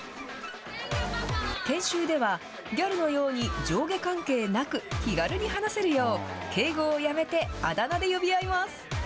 研修では、ギャルのように上下関係なく、気軽に話せるよう、敬語をやめて、あだ名で呼び合います。